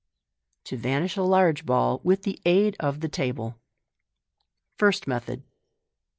To Vanish a Large Ball with the aid op thb Table.— First Method.